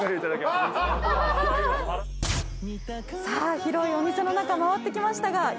さあ広いお店の中回ってきましたが。